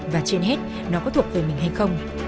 và trên hết nó có thuộc về mình hay không